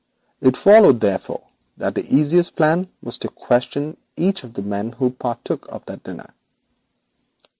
It followed, therefore, that the easiest plan was to question each of the men who partook of that dinner.